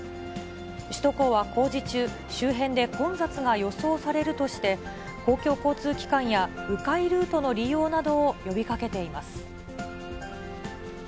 首都高は工事中、周辺で混雑が予想されるとして、公共交通機関や、う回ルートの利用などを呼びかけています。